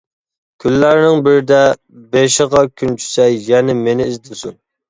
كۈنلەرنىڭ بىرىدە بېشىغا كۈن چۈشسە يەنە مېنى ئىزدىسۇن.